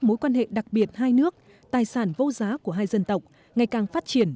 mối quan hệ đặc biệt hai nước tài sản vô giá của hai dân tộc ngày càng phát triển